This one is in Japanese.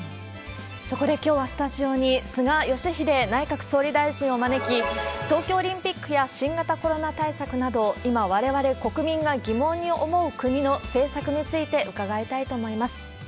そこできょうは、スタジオに菅義偉内閣総理大臣を招き、東京オリンピックや新型コロナ対策など、今、われわれ国民が疑問に思う国の政策について伺いたいと思います。